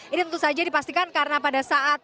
ini tentu saja dipastikan karena pada saat